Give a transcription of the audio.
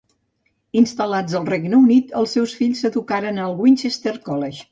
Instal·lats al Regne Unit els seus fills s'educaren al Winchester College.